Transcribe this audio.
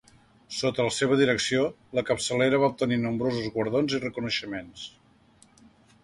Sota la seva direcció, la capçalera va obtenir nombrosos guardons i reconeixements.